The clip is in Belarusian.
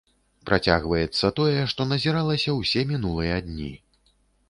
Працягваецца тое, што назіралася ўсе мінулыя дні.